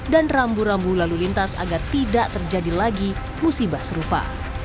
dan rambu rambu lalu lintas agar tidak terjadi lagi musibah serupa